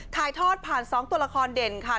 ถ่ายทอดผ่าน๒ตัวละครเด่นค่ะ